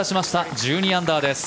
１２アンダーです。